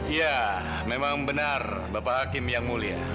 ya memang benar bapak hakim yang mulia